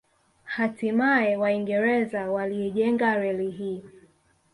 Hatimae Waingereza waliijenga reli hii